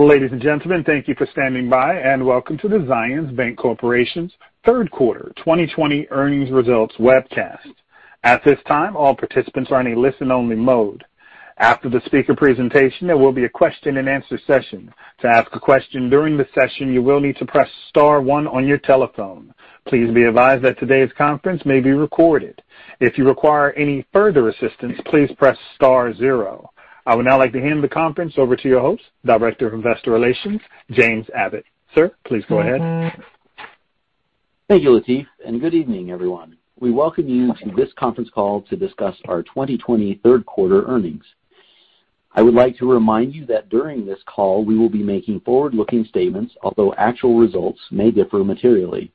Ladies and gentlemen, thank you for standing by, welcome to the Zions Bancorporation's third quarter 2020 earnings results webcast. At this time, all participants are in a listen-only mode. After the speaker presentation, there will be a question and answer session. To ask a question during the session, you will need to press star one on your telephone. Please be advised that today's conference may be recorded. If you require any further assistance, please press star zero. I would now like to hand the conference over to your host, Director of Investor Relations, James Abbott. Sir, please go ahead. Thank you, Latif, and good evening, everyone. We welcome you to this conference call to discuss our 2020 third quarter earnings. I would like to remind you that during this call, we will be making forward-looking statements, although actual results may differ materially.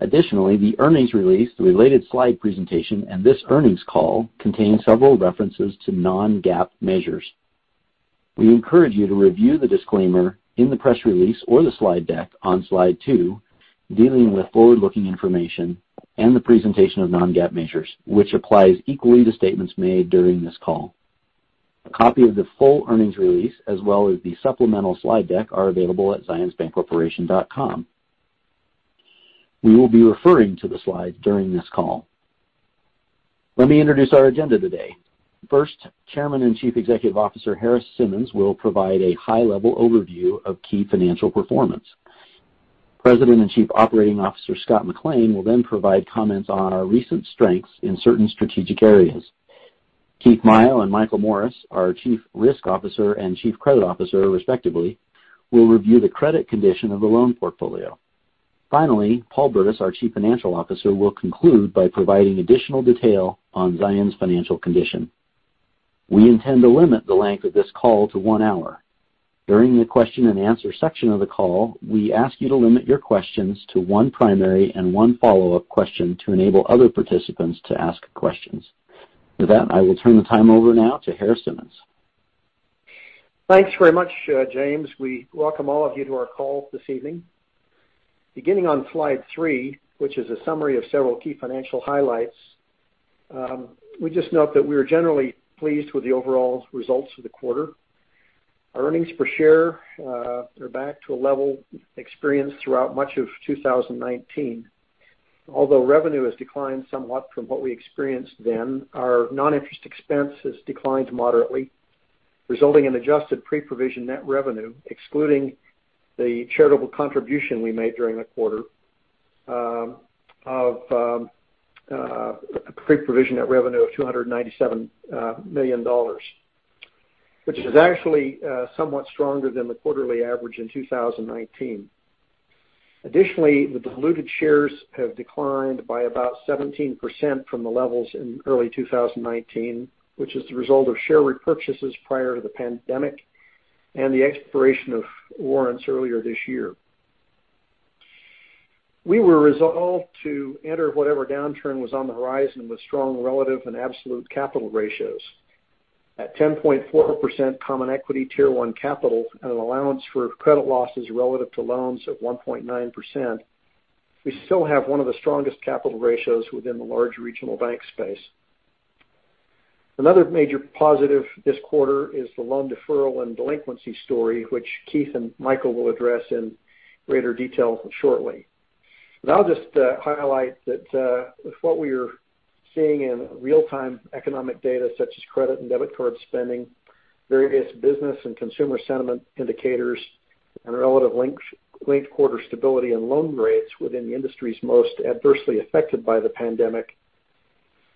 Additionally, the earnings release, the related slide presentation, and this earnings call contain several references to non-GAAP measures. We encourage you to review the disclaimer in the press release or the slide deck on slide two, dealing with forward-looking information and the presentation of non-GAAP measures, which applies equally to statements made during this call. A copy of the full earnings release, as well as the supplemental slide deck, are available at zionsbancorporation.com. We will be referring to the slides during this call. Let me introduce our agenda today. First, Chairman and Chief Executive Officer Harris Simmons will provide a high-level overview of key financial performance. President and Chief Operating Officer Scott McLean will then provide comments on our recent strengths in certain strategic areas. Keith Maio and Michael Morris, our Chief Risk Officer and Chief Credit Officer respectively, will review the credit condition of the loan portfolio. Finally, Paul Burdiss, our Chief Financial Officer, will conclude by providing additional detail on Zions' financial condition. We intend to limit the length of this call to one hour. During the question and answer section of the call, we ask you to limit your questions to one primary and one follow-up question to enable other participants to ask questions. With that, I will turn the time over now to Harris Simmons. Thanks very much, James. We welcome all of you to our call this evening. Beginning on slide three, which is a summary of several key financial highlights, we just note that we are generally pleased with the overall results for the quarter. Although revenue has declined somewhat from what we experienced then, our non-interest expense has declined moderately, resulting in adjusted Pre-Provision Net Revenue, excluding the charitable contribution we made during the quarter of Pre-Provision Net Revenue of $297 million, which is actually somewhat stronger than the quarterly average in 2019. Additionally, the diluted shares have declined by about 17% from the levels in early 2019, which is the result of share repurchases prior to the pandemic and the expiration of warrants earlier this year. We were resolved to enter whatever downturn was on the horizon with strong relative and absolute capital ratios. At 10.4% Common Equity Tier 1 capital and an allowance for credit losses relative to loans of 1.9%, we still have one of the strongest capital ratios within the large regional bank space. Another major positive this quarter is the loan deferral and delinquency story, which Keith and Michael will address in greater detail shortly. I'll just highlight that with what we are seeing in real-time economic data, such as credit and debit card spending, various business and consumer sentiment indicators, and relative linked quarter stability and loan rates within the industries most adversely affected by the pandemic.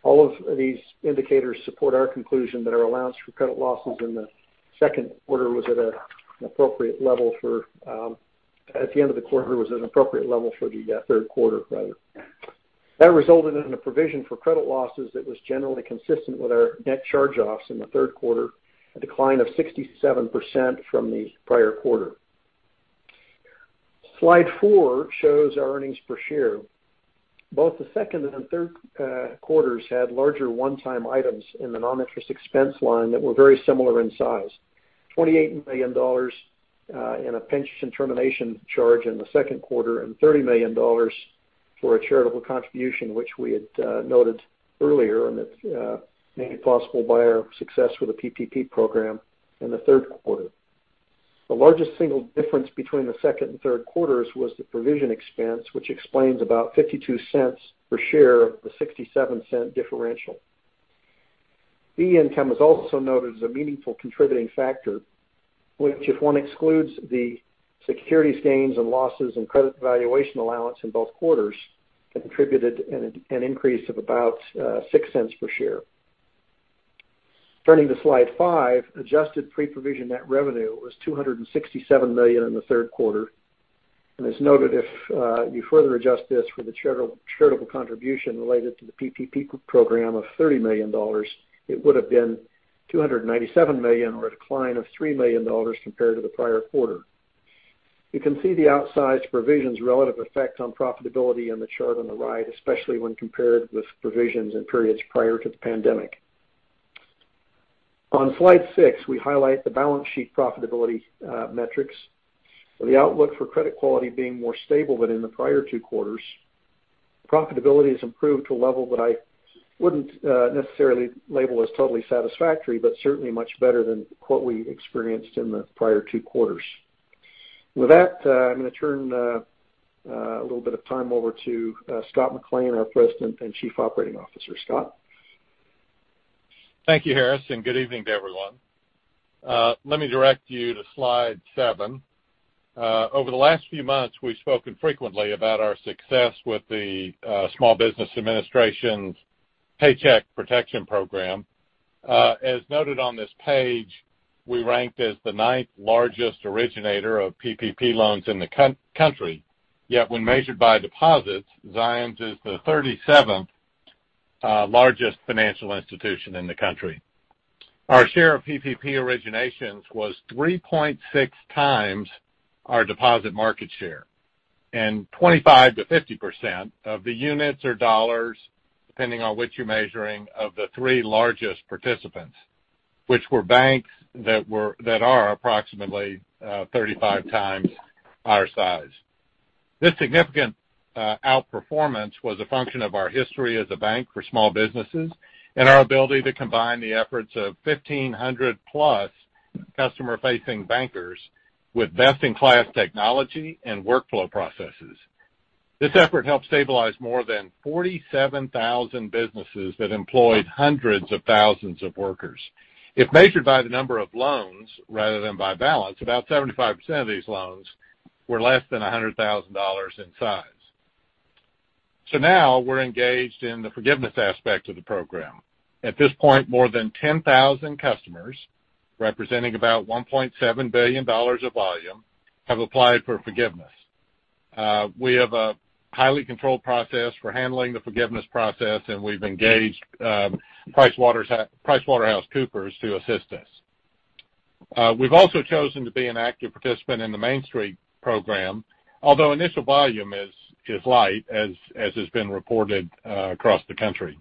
All of these indicators support our conclusion that our allowance for credit losses in the second quarter was at an appropriate level at the end of the quarter was at an appropriate level for the third quarter, rather. That resulted in a provision for credit losses that was generally consistent with our net charge-offs in the third quarter, a decline of 67% from the prior quarter. Slide four shows our earnings per share. Both the second and third quarters had larger one-time items in the non-interest expense line that were very similar in size. $28 million in a pension termination charge in the second quarter, and $30 million for a charitable contribution, which we had noted earlier, and it's made possible by our success with the PPP program in the third quarter. The largest single difference between the second and third quarters was the provision expense, which explains about $0.52 per share of the $0.67 differential. Fee income is also noted as a meaningful contributing factor, which if one excludes the securities gains and losses and credit evaluation allowance in both quarters, contributed an increase of about $0.06 per share. Turning to slide five, adjusted pre-provision net revenue was $267 million in the third quarter. As noted, if you further adjust this for the charitable contribution related to the PPP Program of $30 million, it would've been $297 million, or a decline of $3 million compared to the prior quarter. You can see the outsized provisions' relative effect on profitability in the chart on the right, especially when compared with provisions in periods prior to the pandemic. On slide six, we highlight the balance sheet profitability metrics. With the outlook for credit quality being more stable than in the prior two quarters. Profitability has improved to a level that I wouldn't necessarily label as totally satisfactory, but certainly much better than what we experienced in the prior two quarters. With that, I'm going to turn a little bit of time over to Scott McLean, our President and Chief Operating Officer. Scott? Thank you, Harris, and good evening to everyone. Let me direct you to slide seven. Over the last few months, we've spoken frequently about our success with the Small Business Administration's Paycheck Protection Program. As noted on this page, we ranked as the ninth largest originator of PPP loans in the country. When measured by deposits, Zions is the 37th largest financial institution in the country. Our share of PPP originations was 3.6x our deposit market share, and 25%-50% of the units or dollars, depending on which you're measuring, of the three largest participants, which were banks that are approximately 35x our size. This significant outperformance was a function of our history as a bank for small businesses and our ability to combine the efforts of 1,500+ customer-facing bankers with best-in-class technology and workflow processes. This effort helped stabilize more than 47,000 businesses that employed hundreds of thousands of workers. If measured by the number of loans rather than by balance, about 75% of these loans were less than $100,000 in size. Now we're engaged in the forgiveness aspect of the program. At this point, more than 10,000 customers, representing about $1.7 billion of volume, have applied for forgiveness. We have a highly controlled process for handling the forgiveness process, and we've engaged PricewaterhouseCoopers to assist us. We've also chosen to be an active participant in the Main Street Program, although initial volume is light as has been reported across the country.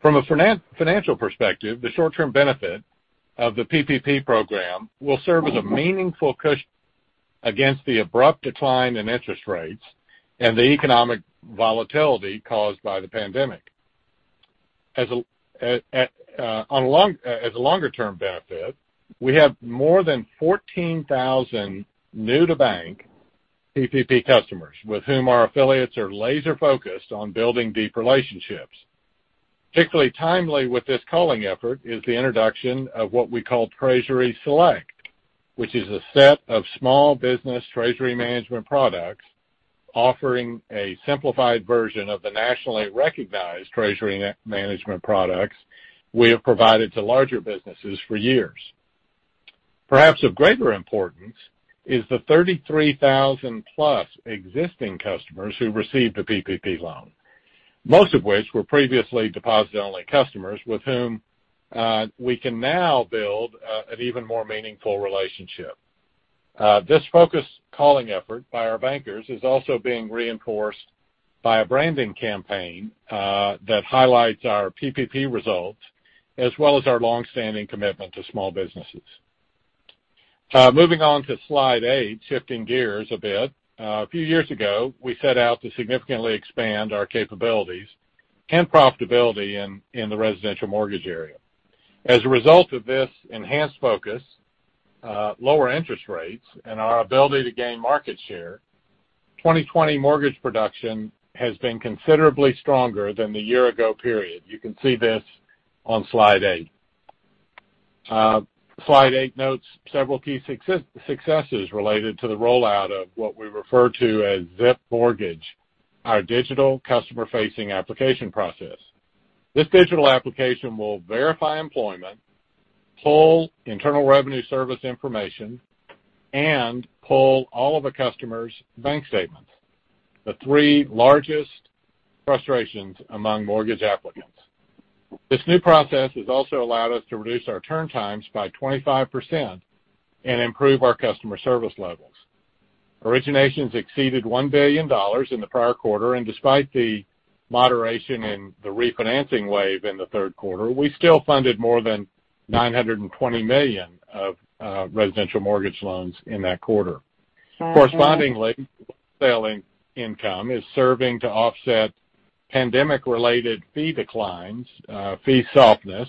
From a financial perspective, the short-term benefit of the PPP program will serve as a meaningful cushion against the abrupt decline in interest rates and the economic volatility caused by the pandemic. As a longer-term benefit, we have more than 14,000 new-to-bank PPP customers with whom our affiliates are laser-focused on building deep relationships. Particularly timely with this culling effort is the introduction of what we call Treasury Select, which is a set of small business treasury management products offering a simplified version of the nationally recognized treasury management products we have provided to larger businesses for years. Perhaps of greater importance is the 33,000+ existing customers who received a PPP loan, most of which were previously deposit-only customers with whom we can now build an even more meaningful relationship. This focused culling effort by our bankers is also being reinforced by a branding campaign that highlights our PPP results, as well as our longstanding commitment to small businesses. Moving on to slide eight, shifting gears a bit. A few years ago, we set out to significantly expand our capabilities and profitability in the residential mortgage area. As a result of this enhanced focus, lower interest rates, and our ability to gain market share, 2020 mortgage production has been considerably stronger than the year ago period. You can see this on slide eight. Slide eight notes several key successes related to the rollout of what we refer to as Zip Mortgage, our digital customer-facing application process. This digital application will verify employment, pull Internal Revenue Service information, and pull all of a customer's bank statements, the three largest frustrations among mortgage applicants. This new process has also allowed us to reduce our turn times by 25% and improve our customer service levels. Originations exceeded $1 billion in the prior quarter, and despite the moderation in the refinancing wave in the third quarter, we still funded more than $920 million of residential mortgage loans in that quarter. Correspondingly, wholesaling income is serving to offset pandemic-related fee declines, fee softness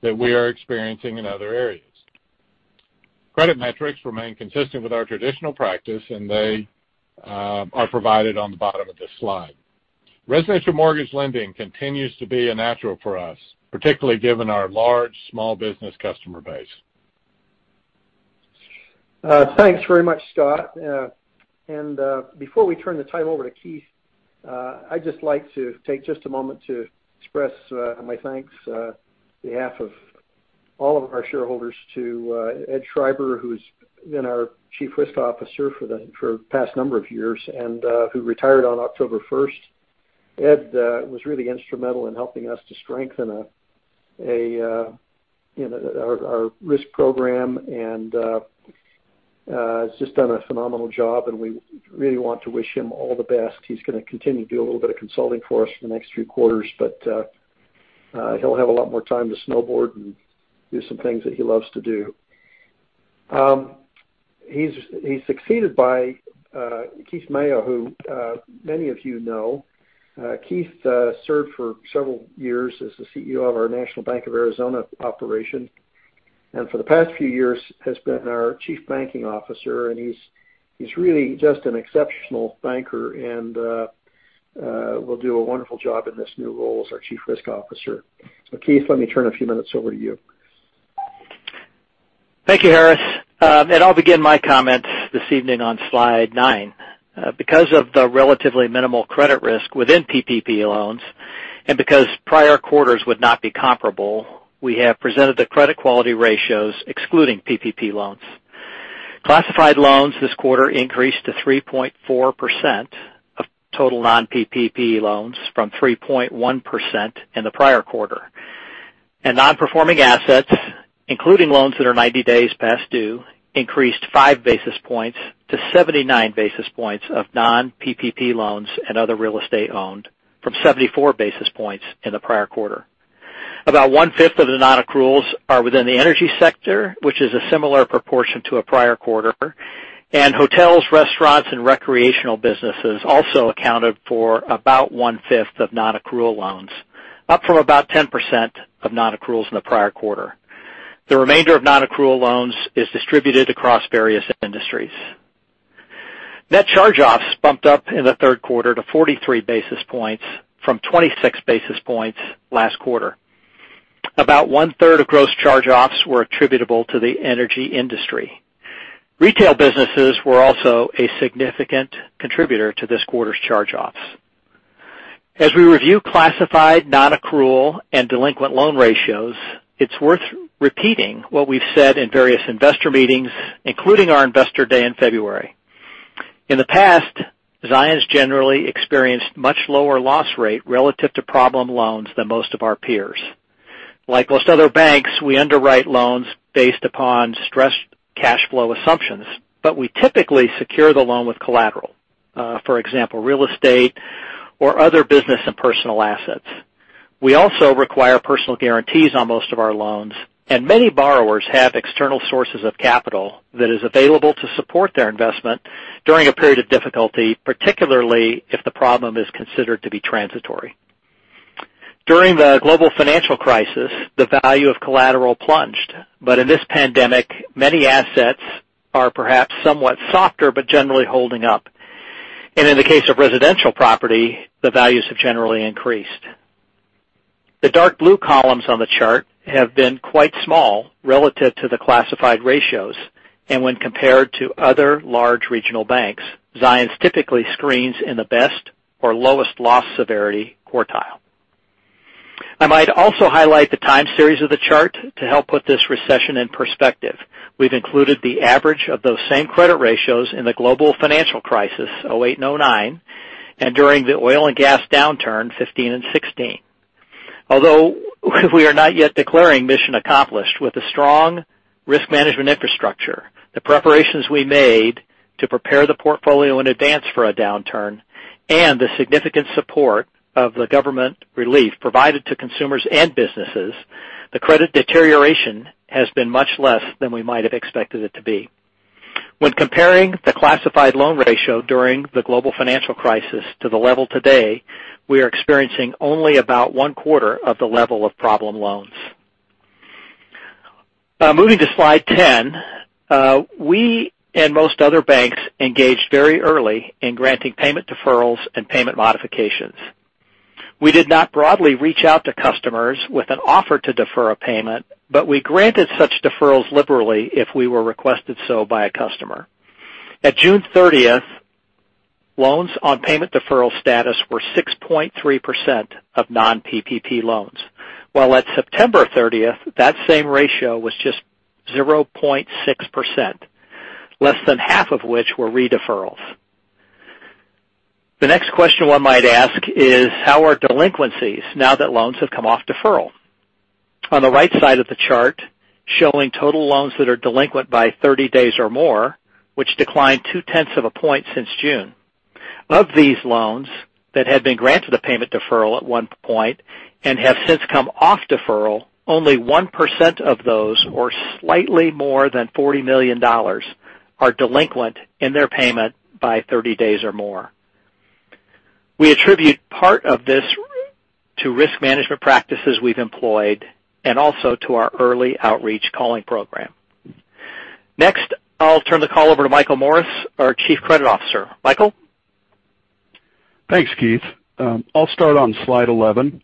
that we are experiencing in other areas. Credit metrics remain consistent with our traditional practice, and they are provided on the bottom of this slide. Residential mortgage lending continues to be a natural for us, particularly given our large small business customer base. Thanks very much, Scott. Before we turn the time over to Keith, I'd just like to take just a moment to express my thanks, on behalf of all of our shareholders, to Ed Schreiber, who's been our Chief Risk Officer for the past number of years and who retired on October 1st. Ed was really instrumental in helping us to strengthen our risk program and has just done a phenomenal job, and we really want to wish him all the best. He's going to continue to do a little bit of consulting for us for the next few quarters, but he'll have a lot more time to snowboard and do some things that he loves to do. He's succeeded by Keith Maio, who many of you know. Keith served for several years as the CEO of our National Bank of Arizona operation. For the past few years has been our Chief Banking Officer, and he's really just an exceptional banker and will do a wonderful job in this new role as our Chief Risk Officer. Keith, let me turn a few minutes over to you. Thank you, Harris. I'll begin my comments this evening on slide nine. Because of the relatively minimal credit risk within PPP loans, and because prior quarters would not be comparable, we have presented the credit quality ratios excluding PPP loans. Classified loans this quarter increased to 3.4% of total non-PPP loans from 3.1% in the prior quarter. Non-performing assets, including loans that are 90 days past due, increased five basis points to 79 basis points of non-PPP loans and other real estate owned from 74 basis points in the prior quarter. About one-fifth of the non-accruals are within the energy sector, which is a similar proportion to a prior quarter, and hotels, restaurants, and recreational businesses also accounted for about one-fifth of non-accrual loans, up from about 10% of non-accruals in the prior quarter. The remainder of non-accrual loans is distributed across various industries. Net charge-offs bumped up in the third quarter to 43 basis points from 26 basis points last quarter. About one-third of gross charge-offs were attributable to the energy industry. Retail businesses were also a significant contributor to this quarter's charge-offs. As we review classified, non-accrual, and delinquent loan ratios, it's worth repeating what we've said in various investor meetings, including our investor day in February. In the past, Zions generally experienced much lower loss rate relative to problem loans than most of our peers. Like most other banks, we underwrite loans based upon stress cash flow assumptions, but we typically secure the loan with collateral. For example, real estate or other business and personal assets. We also require personal guarantees on most of our loans, many borrowers have external sources of capital that is available to support their investment during a period of difficulty, particularly if the problem is considered to be transitory. During the global financial crisis, the value of collateral plunged. In this pandemic, many assets are perhaps somewhat softer, but generally holding up. In the case of residential property, the values have generally increased. The dark blue columns on the chart have been quite small relative to the classified ratios, and when compared to other large regional banks, Zions typically screens in the best or lowest loss severity quartile. I might also highlight the time series of the chart to help put this recession in perspective. We've included the average of those same credit ratios in the Global Financial Crisis, 2008 and 2009, and during the oil and gas downturn, 2015 and 2016. Although we are not yet declaring mission accomplished with a strong risk management infrastructure, the preparations we made to prepare the portfolio in advance for a downturn, and the significant support of the government relief provided to consumers and businesses, the credit deterioration has been much less than we might have expected it to be. When comparing the classified loan ratio during the Global Financial Crisis to the level today, we are experiencing only about one-quarter of the level of problem loans. Moving to slide 10. We and most other banks engaged very early in granting payment deferrals and payment modifications. We did not broadly reach out to customers with an offer to defer a payment, but we granted such deferrals liberally if we were requested so by a customer. At June 30th, loans on payment deferral status were 6.3% of non-PPP loans, while at September 30th, that same ratio was just 0.6%, less than half of which were re-deferrals. The next question one might ask is how are delinquencies now that loans have come off deferral? On the right side of the chart, showing total loans that are delinquent by 30 days or more, which declined two-tenths of a point since June. Of these loans that had been granted a payment deferral at one point and have since come off deferral, only 1% of those, or slightly more than $40 million, are delinquent in their payment by 30 days or more. We attribute part of this to risk management practices we've employed and also to our early outreach calling program. I'll turn the call over to Michael Morris, our Chief Credit Officer. Michael? Thanks, Keith. I'll start on slide 11.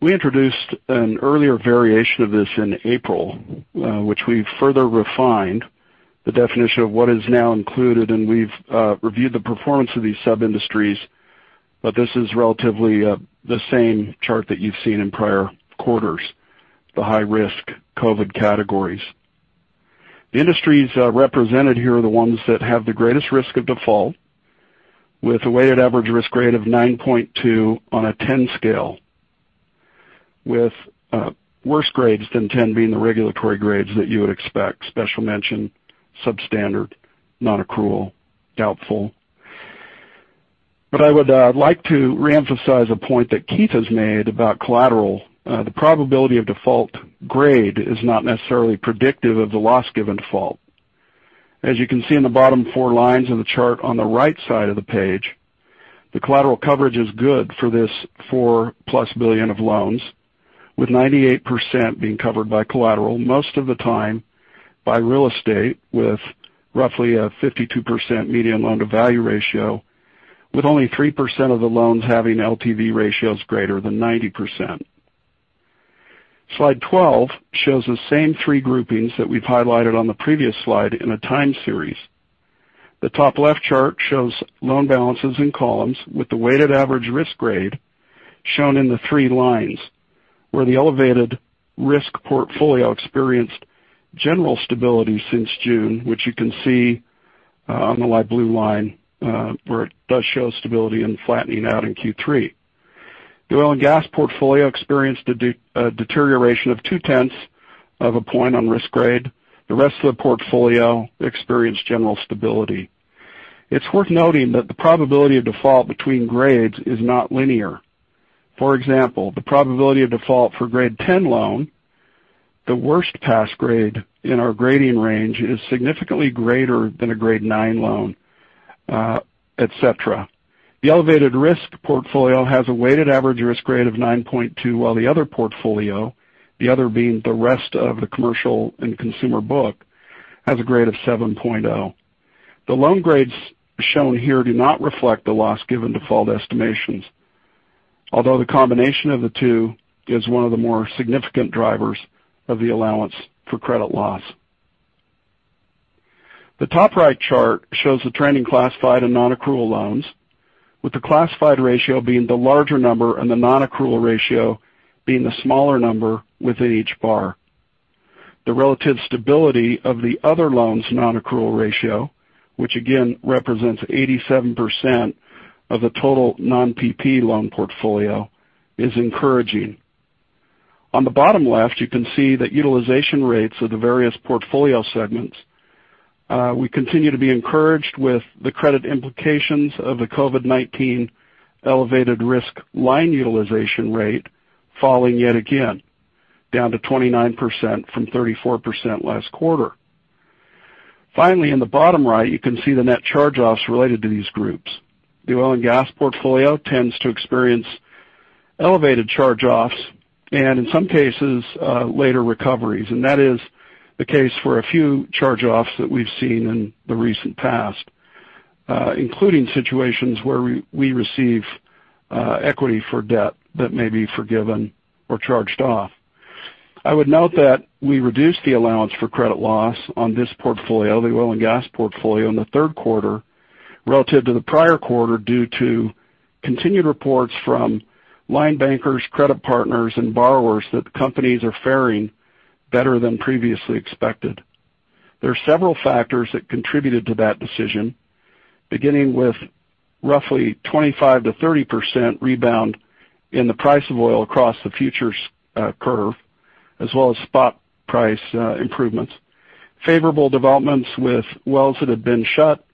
We introduced an earlier variation of this in April, which we've further refined the definition of what is now included, and we've reviewed the performance of these sub-industries. This is relatively the same chart that you've seen in prior quarters, the high-risk COVID categories. The industries represented here are the ones that have the greatest risk of default with a weighted average risk grade of 9.2 on a 10 scale, with worse grades than 10 being the regulatory grades that you would expect. Special mention, substandard, non-accrual, doubtful. I would like to reemphasize a point that Keith has made about collateral. The probability of default grade is not necessarily predictive of the loss given default. As you can see in the bottom four lines of the chart on the right side of the page, the collateral coverage is good for this $4 billion+ of loans, with 98% being covered by collateral, most of the time by real estate, with roughly a 52% median loan-to-value ratio, with only 3% of the loans having LTV ratios greater than 90%. Slide 12 shows the same three groupings that we've highlighted on the previous slide in a time series. The top left chart shows loan balances in columns, with the weighted average risk grade shown in the three lines, where the elevated risk portfolio experienced general stability since June, which you can see on the light blue line, where it does show stability and flattening out in Q3. The oil and gas portfolio experienced a deterioration of two-tenths of a point on risk grade. The rest of the portfolio experienced general stability. It's worth noting that the probability of default between grades is not linear. For example, the probability of default for grade 10 loan, the worst past grade in our grading range, is significantly greater than a grade 9 loan, et cetera. The elevated risk portfolio has a weighted average risk grade of 9.2, while the other portfolio, the other being the rest of the commercial and consumer book, has a grade of 7.0. The loan grades shown here do not reflect the loss given default estimations, although the combination of the two is one of the more significant drivers of the allowance for credit loss. The top right chart shows the trending classified and non-accrual loans, with the classified ratio being the larger number and the non-accrual ratio being the smaller number within each bar. The relative stability of the other loans' non-accrual ratio, which again represents 87% of the total non-PPP loan portfolio, is encouraging. On the bottom left, you can see the utilization rates of the various portfolio segments. We continue to be encouraged with the credit implications of the COVID-19 elevated risk line utilization rate falling yet again, down to 29% from 34% last quarter. Finally, in the bottom right, you can see the net charge-offs related to these groups. The oil and gas portfolio tends to experience elevated charge-offs and, in some cases, later recoveries. That is the case for a few charge-offs that we've seen in the recent past, including situations where we receive equity for debt that may be forgiven or charged off. I would note that we reduced the allowance for credit loss on this portfolio, the oil and gas portfolio, in the third quarter relative to the prior quarter, due to continued reports from line bankers, credit partners, and borrowers that the companies are faring better than previously expected. There are several factors that contributed to that decision, beginning with roughly 25%-30% rebound in the price of oil across the futures curve, as well as spot price improvements, favorable developments with wells that have been shut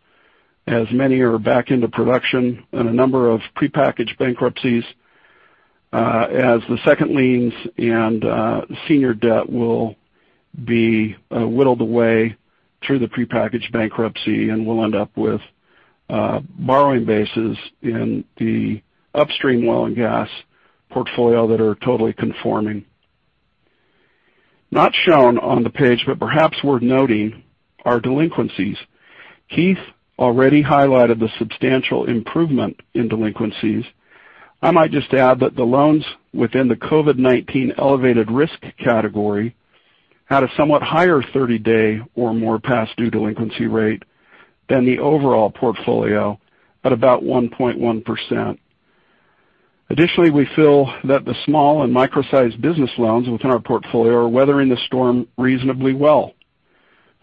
as many are back into production, and a number of prepackaged bankruptcies as the second liens and senior debt will be whittled away through the prepackaged bankruptcy and we'll end up with borrowing bases in the upstream oil and gas portfolio that are totally conforming. Not shown on the page, but perhaps worth noting, are delinquencies. Keith already highlighted the substantial improvement in delinquencies. I might just add that the loans within the COVID-19 elevated risk category had a somewhat higher 30-day or more past due delinquency rate than the overall portfolio at about 1.1%. Additionally, we feel that the small and micro-sized business loans within our portfolio are weathering the storm reasonably well.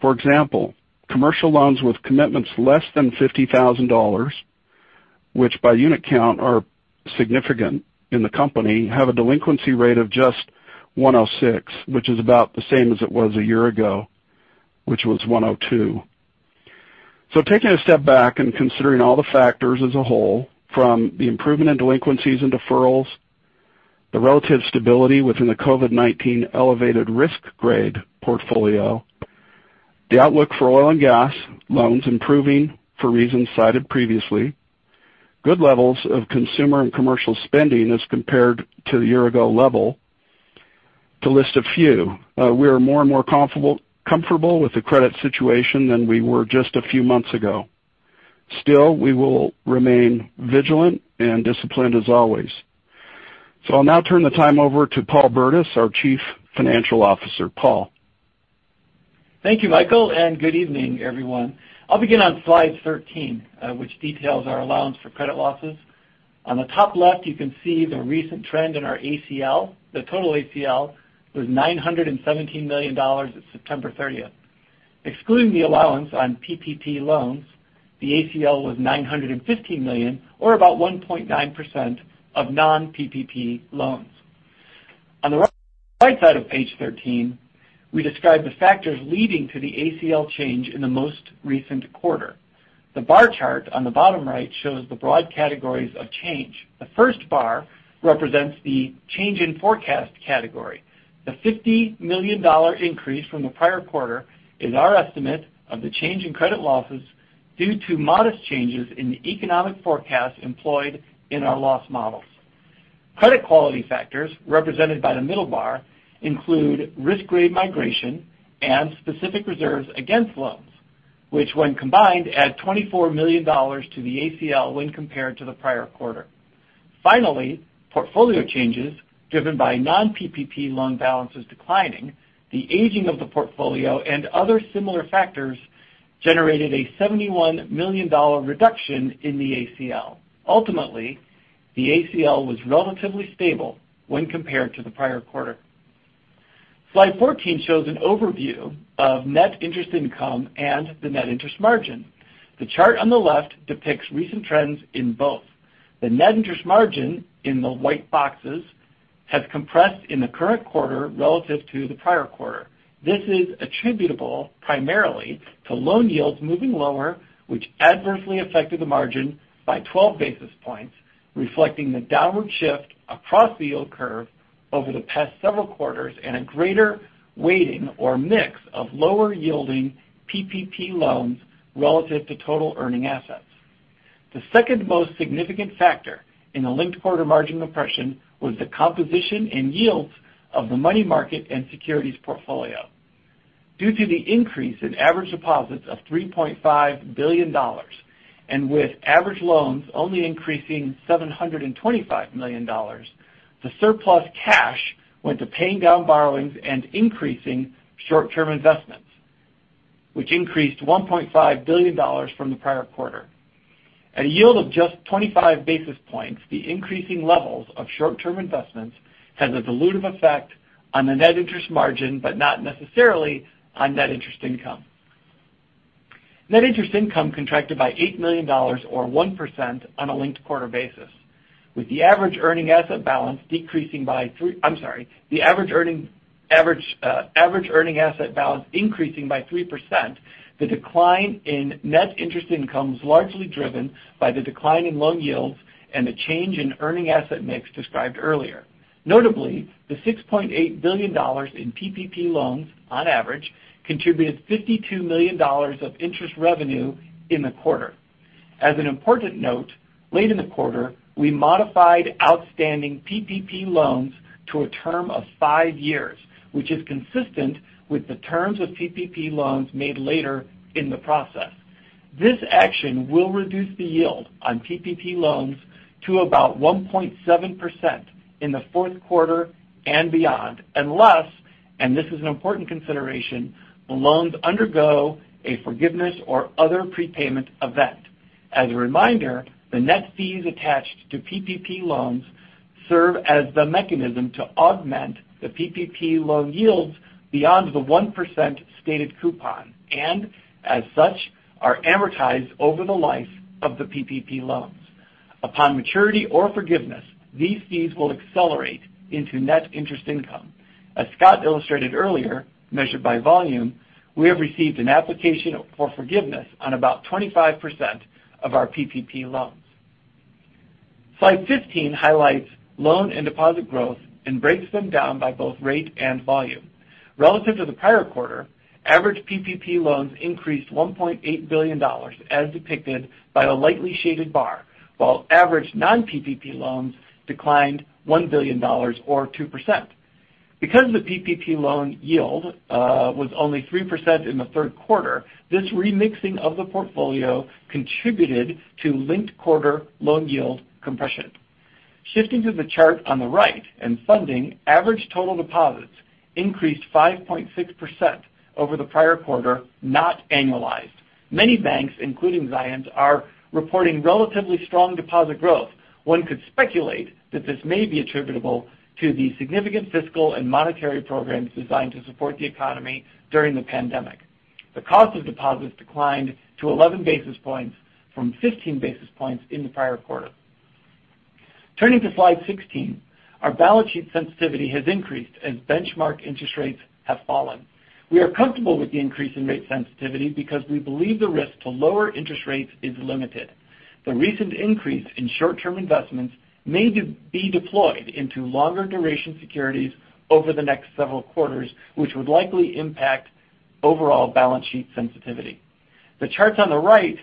For example, commercial loans with commitments less than $50,000, which by unit count are significant in the company, have a delinquency rate of just 106, which is about the same as it was a year ago, which was 102. Taking a step back and considering all the factors as a whole, from the improvement in delinquencies and deferrals, the relative stability within the COVID-19 elevated risk grade portfolio, the outlook for oil and gas loans improving for reasons cited previously, good levels of consumer and commercial spending as compared to the year-ago level, to list a few. We are more and more comfortable with the credit situation than we were just a few months ago. Still, we will remain vigilant and disciplined as always. I'll now turn the time over to Paul Burdiss, our Chief Financial Officer. Paul. Thank you, Michael, and good evening, everyone. I'll begin on slide 13, which details our allowance for credit losses. On the top left, you can see the recent trend in our ACL. The total ACL was $917 million at September 30th. Excluding the allowance on PPP loans, the ACL was $915 million, or about 1.9% of non-PPP loans. On the right side of page 13, we describe the factors leading to the ACL change in the most recent quarter. The bar chart on the bottom right shows the broad categories of change. The first bar represents the change in forecast category. The $50 million increase from the prior quarter is our estimate of the change in credit losses due to modest changes in the economic forecast employed in our loss models. Credit quality factors, represented by the middle bar, include risk grade migration and specific reserves against loans, which when combined, add $24 million to the ACL when compared to the prior quarter. Finally, portfolio changes driven by non-PPP loan balances declining, the aging of the portfolio, and other similar factors generated a $71 million reduction in the ACL. Ultimately, the ACL was relatively stable when compared to the prior quarter. Slide 14 shows an overview of net interest income and the net interest margin. The chart on the left depicts recent trends in both. The net interest margin in the white boxes has compressed in the current quarter relative to the prior quarter. This is attributable primarily to loan yields moving lower, which adversely affected the margin by 12 basis points, reflecting the downward shift across the yield curve over the past several quarters and a greater weighting or mix of lower yielding PPP loans relative to total earning assets. The second most significant factor in the linked quarter margin compression was the composition and yields of the money market and securities portfolio. Due to the increase in average deposits of $3.5 billion, and with average loans only increasing $725 million, the surplus cash went to paying down borrowings and increasing short-term investments, which increased $1.5 billion from the prior quarter. At a yield of just 25 basis points, the increasing levels of short-term investments has a dilutive effect on the net interest margin, but not necessarily on net interest income. Net interest income contracted by $8 million, or 1%, on a linked quarter basis. With the average earning asset balance increasing by 3%, the decline in net interest income is largely driven by the decline in loan yields and the change in earning asset mix described earlier. Notably, the $6.8 billion in PPP loans, on average, contributed $52 million of interest revenue in the quarter. As an important note, late in the quarter, we modified outstanding PPP loans to a term of five years, which is consistent with the terms of PPP loans made later in the process. This action will reduce the yield on PPP loans to about 1.7% in the fourth quarter and beyond, unless, and this is an important consideration, the loans undergo a forgiveness or other prepayment event. As a reminder, the net fees attached to PPP loans serve as the mechanism to augment the PPP loan yields beyond the 1% stated coupon, and as such, are amortized over the life of the PPP loans. Upon maturity or forgiveness, these fees will accelerate into net interest income. As Scott illustrated earlier, measured by volume, we have received an application for forgiveness on about 25% of our PPP loans. Slide 15 highlights loan and deposit growth and breaks them down by both rate and volume. Relative to the prior quarter, average PPP loans increased $1.8 billion, as depicted by the lightly shaded bar, while average non-PPP loans declined $1 billion or 2%. Because the PPP loan yield was only 3% in the third quarter, this remixing of the portfolio contributed to linked quarter loan yield compression. Shifting to the chart on the right and funding, average total deposits increased 5.6% over the prior quarter, not annualized. Many banks, including Zions, are reporting relatively strong deposit growth. One could speculate that this may be attributable to the significant fiscal and monetary programs designed to support the economy during the pandemic. The cost of deposits declined to 11 basis points from 15 basis points in the prior quarter. Turning to slide 16, our balance sheet sensitivity has increased as benchmark interest rates have fallen. We are comfortable with the increase in rate sensitivity because we believe the risk to lower interest rates is limited. The recent increase in short-term investments may be deployed into longer duration securities over the next several quarters, which would likely impact overall balance sheet sensitivity. The charts on the right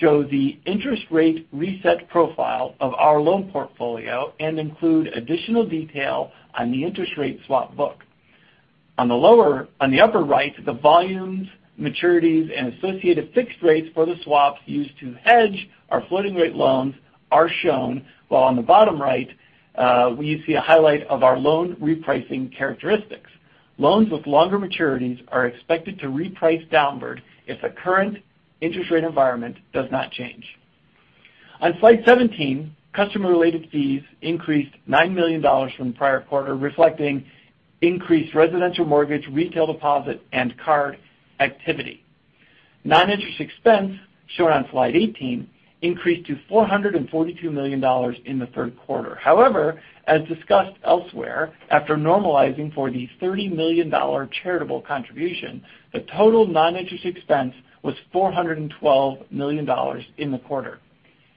show the interest rate reset profile of our loan portfolio and include additional detail on the interest rate swap book. On the upper right, the volumes, maturities, and associated fixed rates for the swaps used to hedge our floating rate loans are shown, while on the bottom right, we see a highlight of our loan repricing characteristics. Loans with longer maturities are expected to reprice downward if the current interest rate environment does not change. On slide 17, customer-related fees increased $9 million from the prior quarter, reflecting increased residential mortgage, retail deposit, and card activity. However, non-interest expense, shown on slide 18, increased to $442 million in the third quarter. As discussed elsewhere, after normalizing for the $30 million charitable contribution, the total non-interest expense was $412 million in the quarter.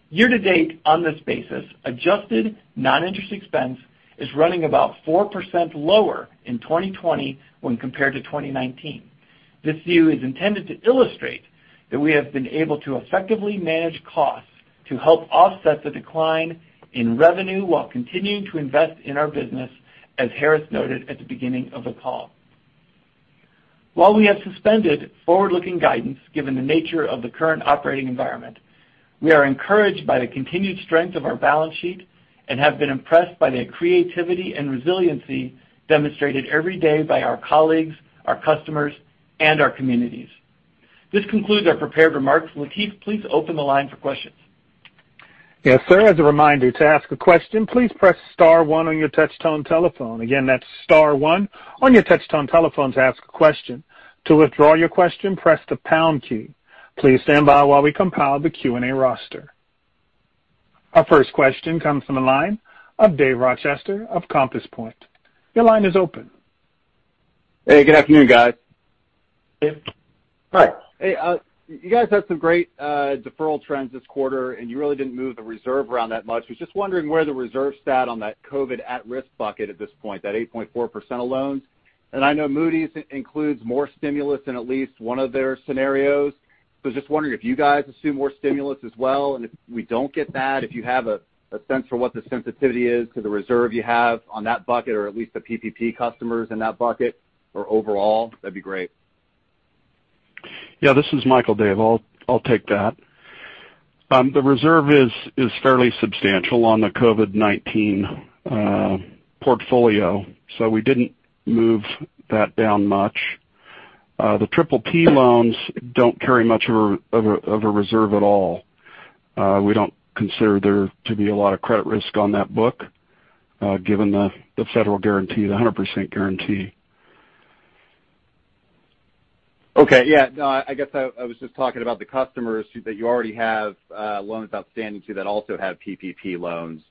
Year-to-date on this basis, adjusted non-interest expense is running about 4% lower in 2020 when compared to 2019. This view is intended to illustrate that we have been able to effectively manage costs to help offset the decline in revenue while continuing to invest in our business, as Harris noted at the beginning of the call. While we have suspended forward-looking guidance, given the nature of the current operating environment, we are encouraged by the continued strength of our balance sheet and have been impressed by the creativity and resiliency demonstrated every day by our colleagues, our customers, and our communities. This concludes our prepared remarks. Latif, please open the line for questions. Yes, sir. As a reminder, to ask a question, please press star one on your touch-tone telephone. Again, that's star one on your touch-tone telephone to ask a question. To withdraw your question, press the # key. Please stand by while we compile the Q&A roster. Our first question comes from the line of Dave Rochester of Compass Point. Your line is open. Hey, good afternoon, guys. Hey. Hi. Hey. You guys had some great deferral trends this quarter, and you really didn't move the reserve around that much. Was just wondering where the reserve stat on that COVID at-risk bucket at this point, that 8.4% of loans. I know Moody's includes more stimulus in at least one of their scenarios. Just wondering if you guys assume more stimulus as well, and if we don't get that, if you have a sense for what the sensitivity is to the reserve you have on that bucket, or at least the PPP customers in that bucket, or overall, that'd be great. Yeah, this is Michael, Dave. I'll take that. The reserve is fairly substantial on the COVID-19 portfolio, so we didn't move that down much. The triple P loans don't carry much of a reserve at all. We don't consider there to be a lot of credit risk on that book, given the federal guarantee, the 100% guarantee. Okay. Yeah. I guess I was just talking about the customers that you already have loans outstanding to that also have PPP loans,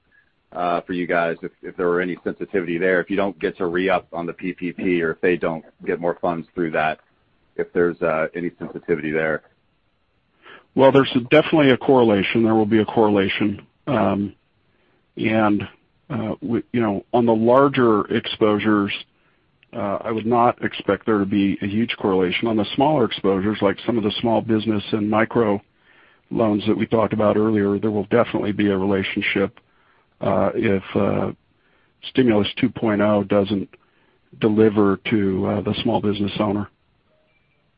for you guys, if there were any sensitivity there. If you don't get to re-up on the PPP or if they don't get more funds through that, if there's any sensitivity there. Well, there's definitely a correlation. There will be a correlation. Yeah. On the larger exposures, I would not expect there to be a huge correlation. On the smaller exposures, like some of the small business and micro loans that we talked about earlier, there will definitely be a relationship if Stimulus 2.0 doesn't deliver to the small business owner.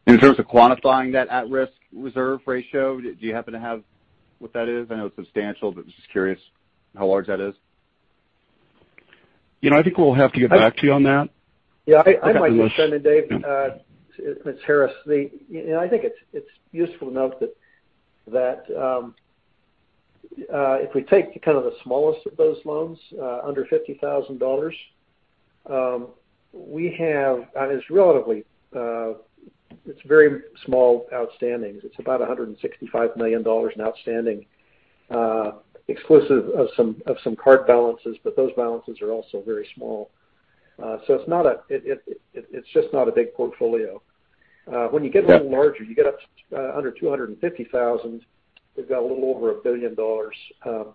In terms of quantifying that at-risk reserve ratio, do you happen to have what that is? I know it's substantial, but just curious how large that is. I think we'll have to get back to you on that. Yeah. I might just chime in, Dave. It's Harris. I think it's useful to note that if we take kind of the smallest of those loans, under $50,000, it's very small outstanding. It's about $165 million in outstanding, exclusive of some card balances, those balances are also very small. It's just not a big portfolio. When you get a little larger, you get up under $250,000, we've got a little over $1 billion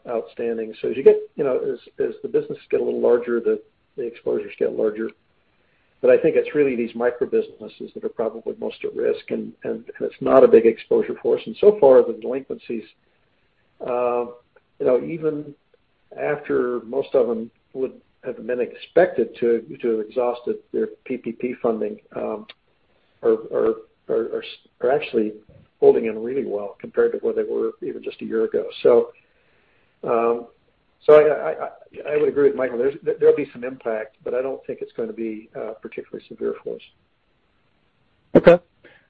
outstanding. As the businesses get a little larger, the exposures get larger. I think it's really these micro businesses that are probably most at risk, and it's not a big exposure for us. So far, the delinquencies, even after most of them would have been expected to have exhausted their PPP funding, are actually holding in really well compared to where they were even just a year ago. I would agree with Michael. There'll be some impact, but I don't think it's going to be particularly severe for us. Okay.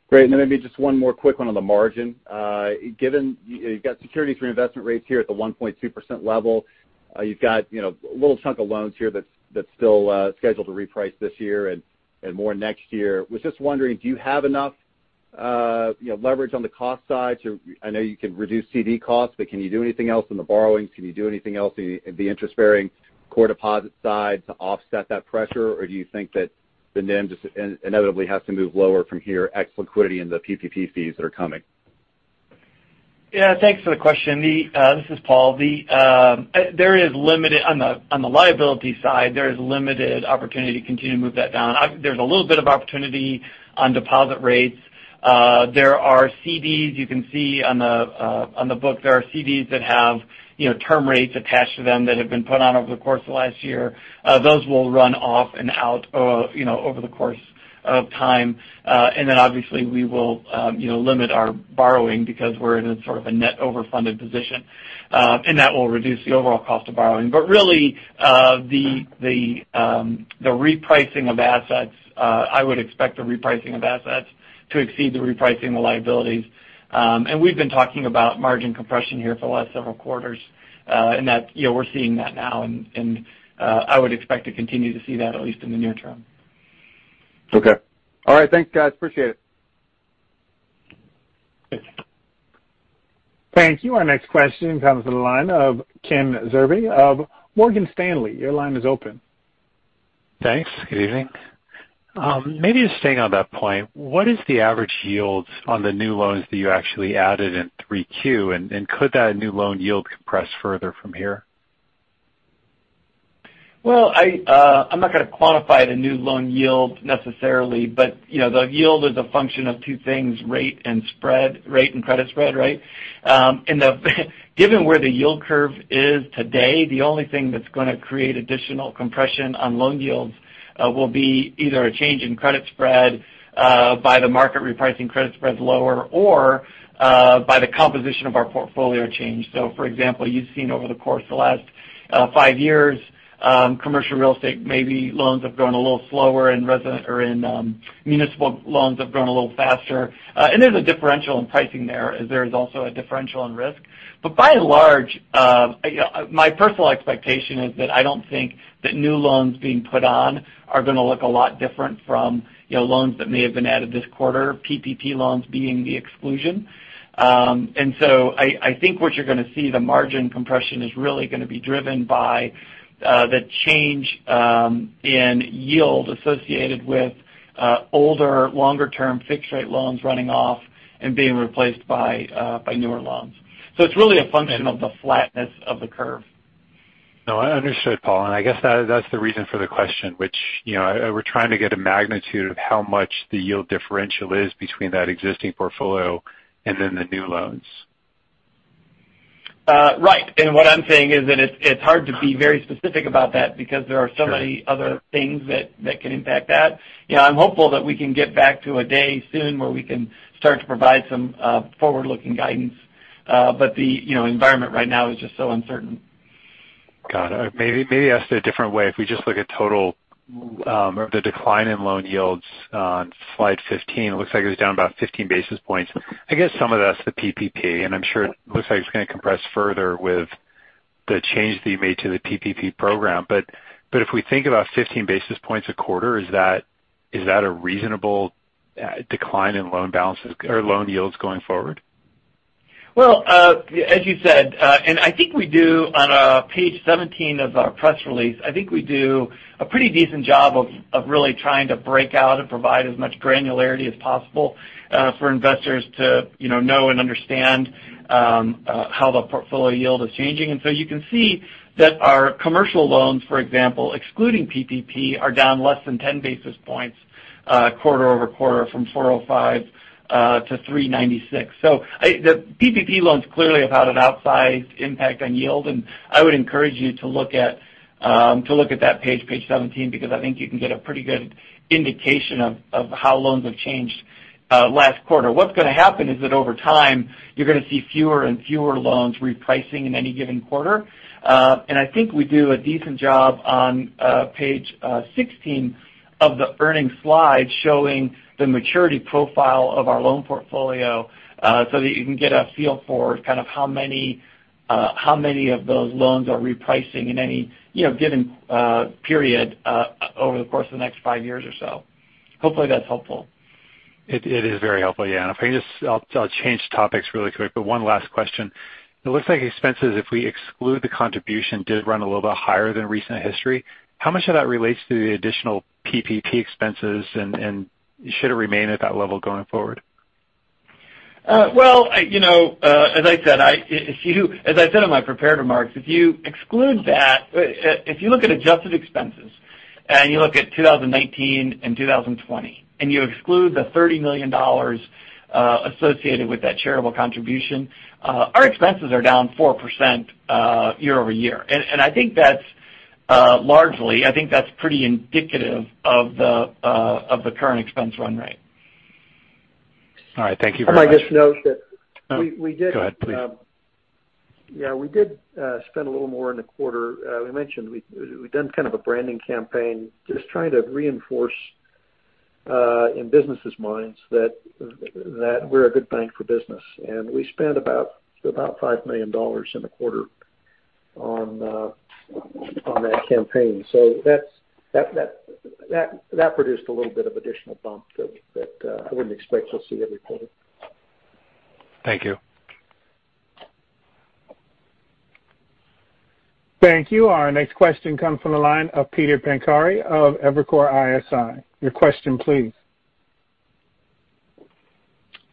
Great. Maybe just one more quick one on the margin. Given you've got securities for investment rates here at the 1.2% level, you've got a little chunk of loans here that's still scheduled to reprice this year and more next year. Was just wondering, do you have enough leverage on the cost side? I know you can reduce CD costs, but can you do anything else in the borrowings? Can you do anything else in the interest-bearing core deposit side to offset that pressure? Do you think that the NIM just inevitably has to move lower from here, ex liquidity and the PPP fees that are coming? Yeah. Thanks for the question. This is Paul. On the liability side, there is limited opportunity to continue to move that down. There is a little bit of opportunity on deposit rates. There are CDs you can see on the book. There are CDs that have term rates attached to them that have been put on over the course of last year. Those will run off and out over the course of time. Then obviously we will limit our borrowing because we're in a sort of a net overfunded position. That will reduce the overall cost of borrowing. Really, the repricing of assets, I would expect the repricing of assets to exceed the repricing of the liabilities. We've been talking about margin compression here for the last several quarters. That we're seeing that now, and I would expect to continue to see that at least in the near term. Okay. All right, thanks guys. Appreciate it. Thanks. Thank you. Our next question comes from the line of Ken Zerbe of Morgan Stanley. Your line is open. Thanks. Good evening. Maybe just staying on that point, what is the average yields on the new loans that you actually added in 3Q, and could that new loan yield compress further from here? Well, I'm not going to quantify the new loan yield necessarily, but the yield is a function of two things, rate and credit spread, right? Given where the yield curve is today, the only thing that's going to create additional compression on loan yields will be either a change in credit spread by the market repricing credit spreads lower or by the composition of our portfolio change. For example, you've seen over the course of the last five years, commercial real estate, maybe loans have grown a little slower and municipal loans have grown a little faster. There's a differential in pricing there as there is also a differential in risk. By and large, my personal expectation is that I don't think that new loans being put on are going to look a lot different from loans that may have been added this quarter, PPP loans being the exclusion. I think what you're going to see, the margin compression is really going to be driven by the change in yield associated with older, longer term fixed rate loans running off and being replaced by newer loans. It's really a function of the flatness of the curve. No, understood, Paul, and I guess that's the reason for the question, which we're trying to get a magnitude of how much the yield differential is between that existing portfolio and then the new loans. Right. What I'm saying is that it's hard to be very specific about that because there are so many other things that can impact that. I'm hopeful that we can get back to a day soon where we can start to provide some forward-looking guidance. The environment right now is just so uncertain. Got it. Maybe I'll ask it a different way. If we just look at total, the decline in loan yields on slide 15, it looks like it was down about 15 basis points. I guess some of that's the PPP, and I'm sure it looks like it's going to compress further with the change that you made to the PPP program. If we think about 15 basis points a quarter, is that a reasonable decline in loan yields going forward? As you said, I think we do on page 17 of our press release, I think we do a pretty decent job of really trying to break out and provide as much granularity as possible for investors to know and understand how the portfolio yield is changing. You can see that our commercial loans, for example, excluding PPP, are down less than 10 basis points quarter-over-quarter from 405 to 396. The PPP loans clearly have had an outsized impact on yield, and I would encourage you to look at that page 17, because I think you can get a pretty good indication of how loans have changed last quarter. What's going to happen is that over time you're going to see fewer and fewer loans repricing in any given quarter. I think we do a decent job on page 16 of the earnings slide showing the maturity profile of our loan portfolio so that you can get a feel for kind of how many of those loans are repricing in any given period over the course of the next five years or so. Hopefully that's helpful. It is very helpful, yeah. I'll change topics really quick, but one last question. It looks like expenses, if we exclude the contribution, did run a little bit higher than recent history. How much of that relates to the additional PPP expenses, and should it remain at that level going forward? Well, as I said in my prepared remarks, if you look at adjusted expenses and you look at 2019 and 2020, and you exclude the $30 million associated with that charitable contribution, our expenses are down 4% year-over-year. Largely, I think that's pretty indicative of the current expense run rate. All right. Thank you for that. I might just note. Go ahead, please. Yeah, we did spend a little more in the quarter. We mentioned we've done kind of a branding campaign just trying to reinforce in businesses' minds that we're a good bank for business. We spent about $5 million in the quarter on that campaign. That produced a little bit of additional bump that I wouldn't expect you'll see every quarter. Thank you. Thank you. Our next question comes from the line of John Pancari of Evercore ISI. Your question, please.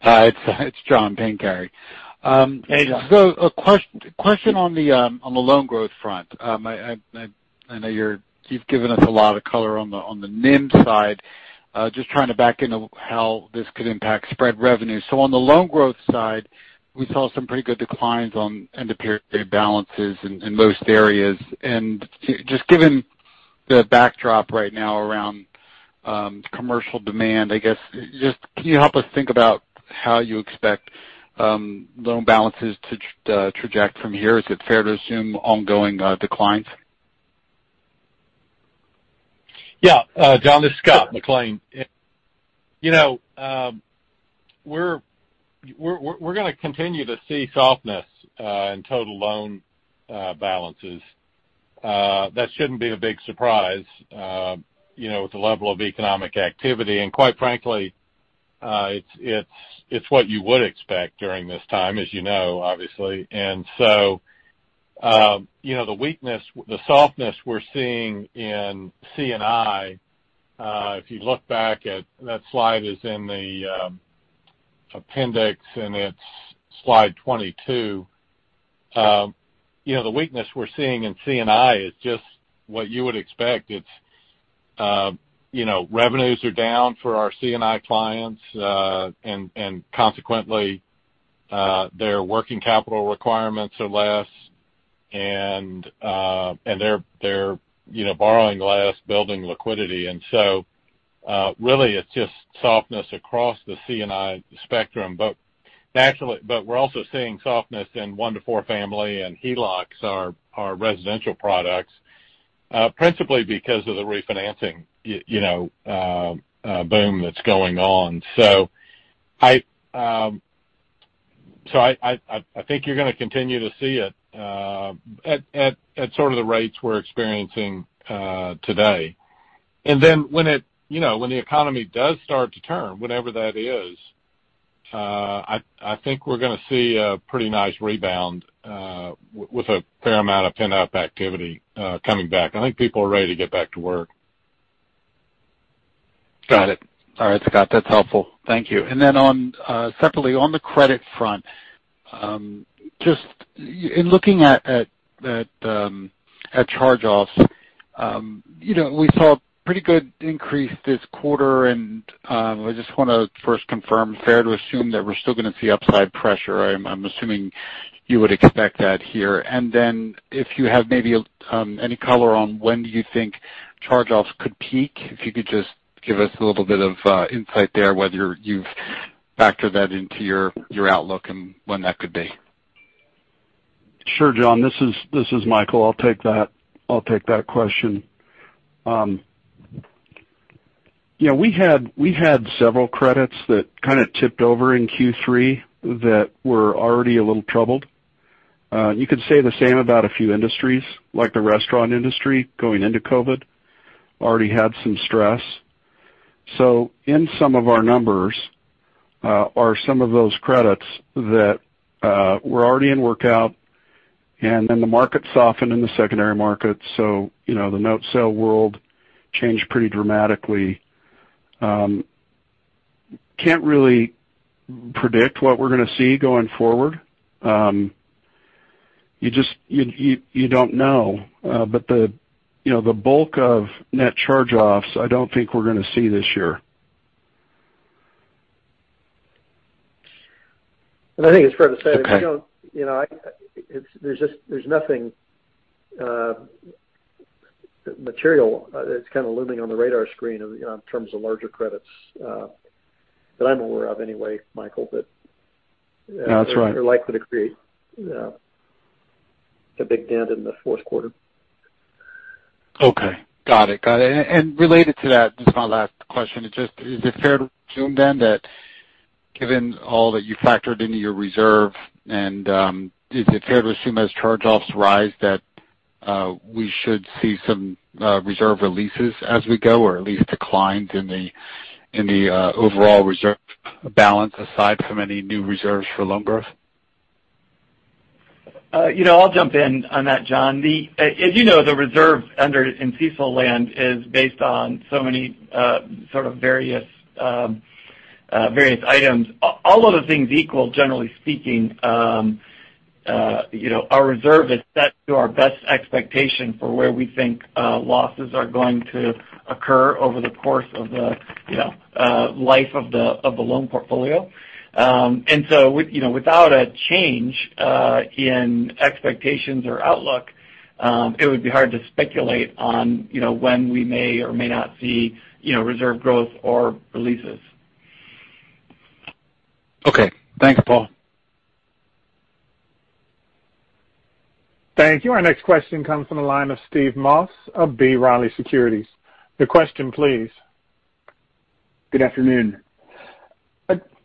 Hi, it's John Pancari. Hey, John. A question on the loan growth front. I know you've given us a lot of color on the NIM side. Just trying to back into how this could impact spread revenue. On the loan growth side, we saw some pretty good declines on end of period balances in most areas. Given the backdrop right now around commercial demand, I guess just can you help us think about how you expect loan balances to traject from here? Is it fair to assume ongoing declines? Yeah. John, this is Scott McLean. We're going to continue to see softness in total loan balances. That shouldn't be a big surprise with the level of economic activity. Quite frankly, it's what you would expect during this time, as you know, obviously. The softness we're seeing in C&I, if you look back at that slide is in the appendix, and it's slide 22. The weakness we're seeing in C&I is just what you would expect. Revenues are down for our C&I clients, and consequently, their working capital requirements are less, and they're borrowing less, building liquidity. Really, it's just softness across the C&I spectrum. We're also seeing softness in one to four family and HELOCs, our residential products, principally because of the refinancing boom that's going on. I think you're going to continue to see it at sort of the rates we're experiencing today. When the economy does start to turn, whenever that is, I think we're going to see a pretty nice rebound with a fair amount of pent-up activity coming back. I think people are ready to get back to work. Got it. All right, Scott. That's helpful. Thank you. Separately, on the credit front, just in looking at charge-offs, we saw a pretty good increase this quarter. I just want to first confirm, fair to assume that we're still going to see upside pressure? I'm assuming you would expect that here. If you have maybe any color on when do you think charge-offs could peak, if you could just give us a little bit of insight there, whether you've factored that into your outlook and when that could be. Sure, John, this is Michael. I'll take that question. We had several credits that kind of tipped over in Q3 that were already a little troubled. You could say the same about a few industries, like the restaurant industry going into COVID, already had some stress. In some of our numbers are some of those credits that were already in workout, the market softened in the secondary market. The note sale world changed pretty dramatically. Can't really predict what we're going to see going forward. You don't know. The bulk of net charge-offs, I don't think we're going to see this year. I think it's fair to say. Okay there's nothing material that's kind of looming on the radar screen in terms of larger credits that I'm aware of anyway, Michael. That's right. are likely to create a big dent in the fourth quarter. Okay. Got it. Related to that, this is my last question. Is it fair to assume then that given all that you factored into your reserve, is it fair to assume as charge-offs rise, that we should see some reserve releases as we go, or at least declines in the overall reserve balance aside from any new reserves for loan growth? I'll jump in on that, John. As you know, the reserve under in CECL land is based on so many sort of various items. All other things equal, generally speaking, our reserve is set to our best expectation for where we think losses are going to occur over the course of the life of the loan portfolio. Without a change in expectations or outlook, it would be hard to speculate on when we may or may not see reserve growth or releases. Okay. Thanks, Paul. Thank you. Our next question comes from the line of Steve Moss of B. Riley Securities. Your question, please. Good afternoon.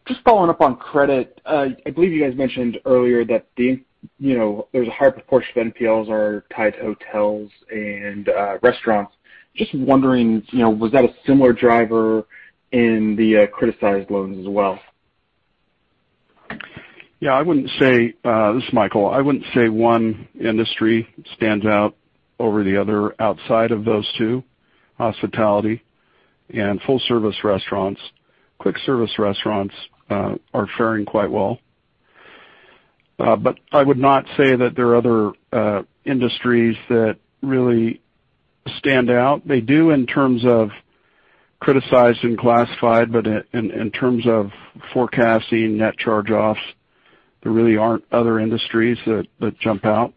Just following up on credit. I believe you guys mentioned earlier that there's a high proportion of NPLs are tied to hotels and restaurants. Just wondering, was that a similar driver in the criticized loans as well? Yeah. This is Michael. I wouldn't say one industry stands out over the other outside of those two, hospitality and full-service restaurants. Quick service restaurants are faring quite well. I would not say that there are other industries that really stand out. They do in terms of criticized and classified, but in terms of forecasting net charge-offs, there really aren't other industries that jump out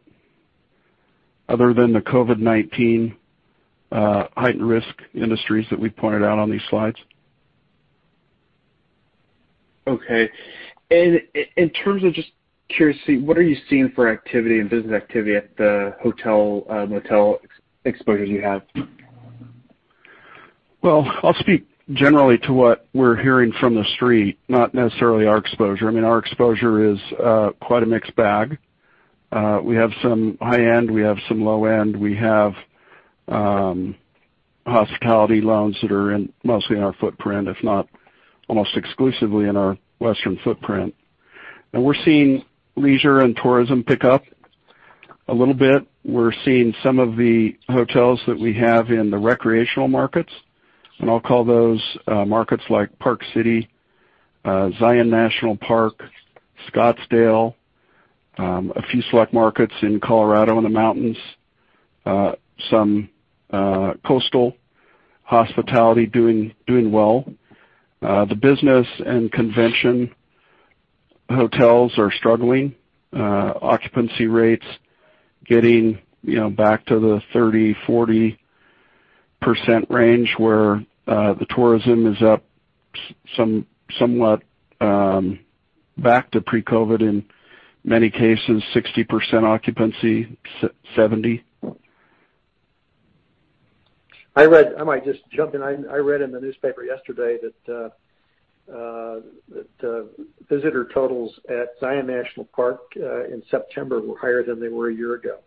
other than the COVID-19 heightened risk industries that we pointed out on these slides. Okay. In terms of just curiosity, what are you seeing for activity and business activity at the hotel, motel exposures you have? Well, I'll speak generally to what we're hearing from the street, not necessarily our exposure. Our exposure is quite a mixed bag. We have some high-end, we have some low-end, we have hospitality loans that are in mostly in our footprint, if not almost exclusively in our western footprint. We're seeing leisure and tourism pick up a little bit. We're seeing some of the hotels that we have in the recreational markets, and I'll call those markets like Park City, Zion National Park, Scottsdale, a few select markets in Colorado in the mountains, some coastal hospitality doing well. The business and convention hotels are struggling. Occupancy rates getting back to the 30%, 40% range, where the tourism is up somewhat back to pre-COVID, in many cases, 60% occupancy, 70%. I might just jump in. I read in the newspaper yesterday that visitor totals at Zion National Park in September were higher than they were a year ago,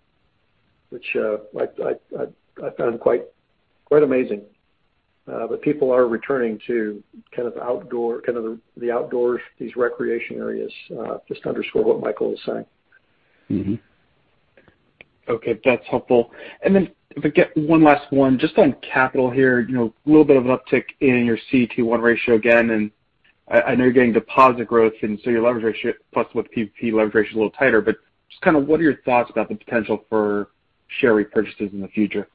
which I found quite amazing. People are returning to the outdoors, these recreation areas, just to underscore what Michael is saying. Okay. That's helpful. If I get one last one, just on capital here. A little bit of an uptick in your CET1 ratio again. I know you're getting deposit growth. So your leverage ratio plus with PPP leverage ratio is a little tighter. Just what are your thoughts about the potential for share repurchases in the future?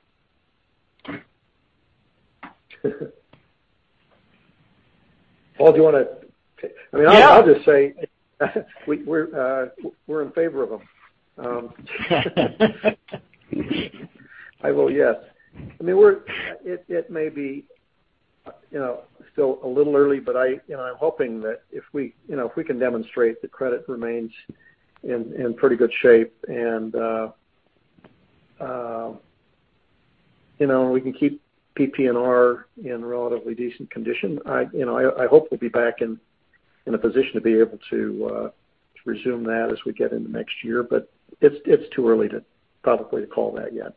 Paul, I'll just say we're in favor of them. I will, yes. It may be still a little early, but I'm hoping that if we can demonstrate that credit remains in pretty good shape and we can keep PPNR in relatively decent condition, I hope we'll be back in a position to be able to resume that as we get into next year. It's too early to publicly call that yet.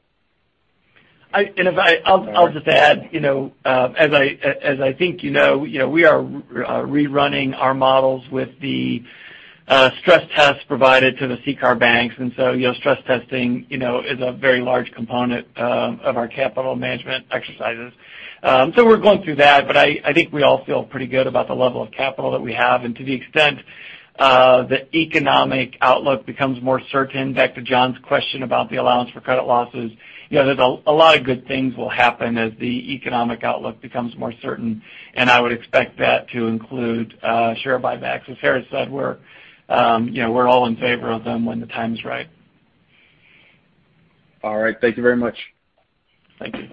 I'll just add, as I think you know, we are rerunning our models with the stress test provided to the CCAR banks. Stress testing is a very large component of our capital management exercises. We're going through that, but I think we all feel pretty good about the level of capital that we have, and to the extent the economic outlook becomes more certain. Back to John's question about the allowance for credit losses. A lot of good things will happen as the economic outlook becomes more certain, and I would expect that to include share buybacks. As Harris said, we're all in favor of them when the time is right. All right. Thank you very much. Thank you.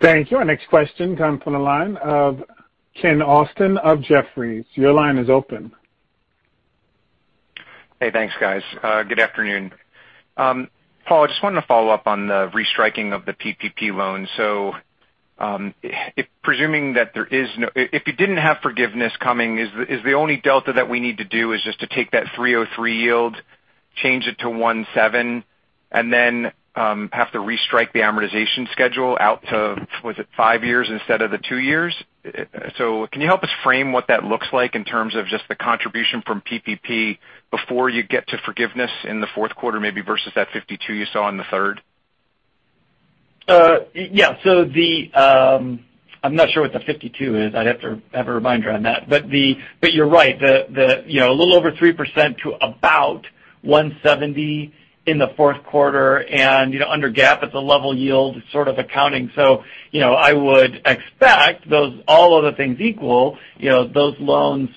Thank you. Our next question comes from the line of Ken Usdin of Jefferies. Your line is open. Hey, thanks guys. Good afternoon. Paul, I just wanted to follow up on the restriking of the PPP loan. Presuming that if you didn't have forgiveness coming, is the only delta that we need to do is just to take that 3.03 yield, change it to 170, and then have to restrike the amortization schedule out to, was it five years instead of the two years? Can you help us frame what that looks like in terms of just the contribution from PPP before you get to forgiveness in the fourth quarter, maybe versus that $52 you saw in the third? Yeah. I'm not sure what the 52 is. I'd have to have a reminder on that. You're right. A little over 3% to about $170 in the fourth quarter, and under GAAP at the level yield sort of accounting. I would expect those all other things equal, those loans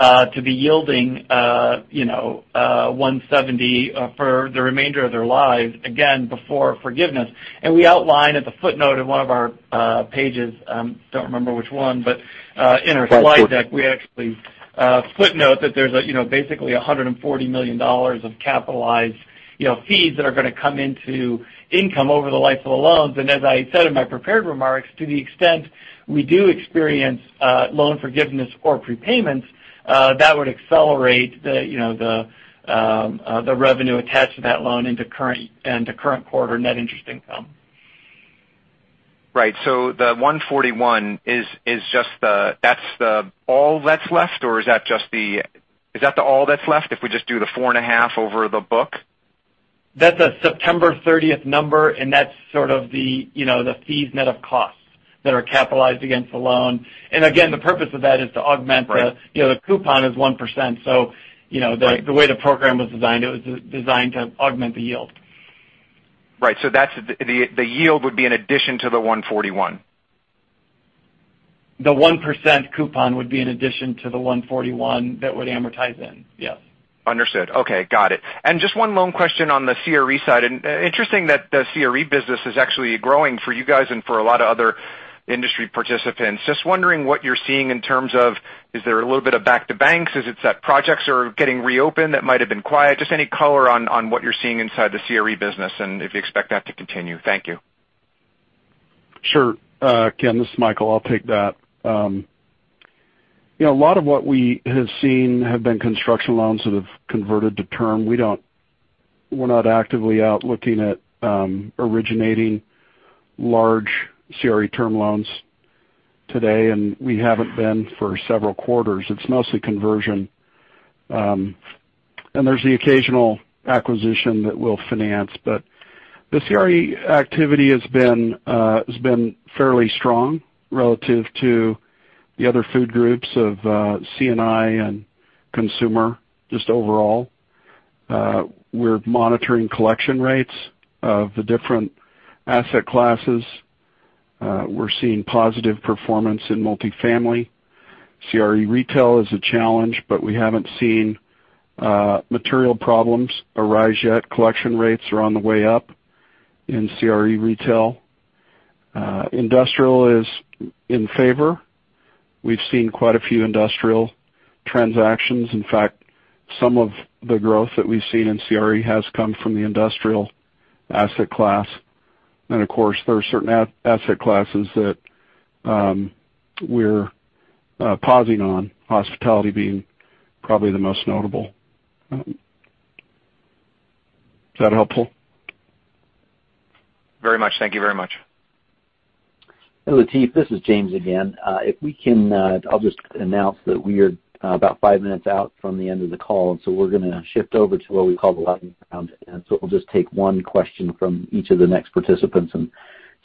to be yielding $170 for the remainder of their lives, again before forgiveness. We outline at the footnote in one of our pages, don't remember which one, but in our slide deck. That's cool. we actually footnote that there's basically $140 million of capitalized fees that are going to come into income over the life of the loans. As I said in my prepared remarks, to the extent we do experience loan forgiveness or prepayments, that would accelerate the revenue attached to that loan into current quarter net interest income. Right. The 141, that's the all that's left, or is that just is that the all that's left if we just do the four and a half over the book? That's a September 30th number, and that's sort of the fees net of costs that are capitalized against the loan. Again, the purpose of that is to augment. Right the coupon is 1%. Right The way the program was designed, it was designed to augment the yield. Right. The yield would be in addition to the 141? The 1% coupon would be in addition to the $141 that would amortize in. Yes. Understood. Okay. Got it. Just one lone question on the CRE side. Interesting that the CRE business is actually growing for you guys and for a lot of other industry participants. Just wondering what you're seeing in terms of, is there a little bit of back to banks? Is it that projects are getting reopened that might have been quiet? Just any color on what you're seeing inside the CRE business and if you expect that to continue. Thank you. Sure. Ken, this is Michael. I'll take that. A lot of what we have seen have been construction loans that have converted to term. We're not actively out looking at originating large CRE term loans today, and we haven't been for several quarters. It's mostly conversion. There's the occasional acquisition that we'll finance. The CRE activity has been fairly strong relative to the other food groups of C&I and consumer just overall. We're monitoring collection rates of the different asset classes. We're seeing positive performance in multifamily. CRE retail is a challenge, but we haven't seen material problems arise yet. Collection rates are on the way up in CRE retail. Industrial is in favor. We've seen quite a few industrial transactions. In fact, some of the growth that we've seen in CRE has come from the industrial asset class. Of course, there are certain asset classes that we're pausing on, hospitality being probably the most notable. Is that helpful? Very much. Thank you very much. Hey, Latif, this is James again. If we can, I'll just announce that we are about five minutes out from the end of the call. We're going to shift over to what we call the lightning round, and so we'll just take one question from each of the next participants and